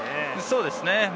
そうですね。